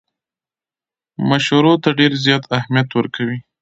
مشورو ته ډېر زیات اهمیت ورکوي.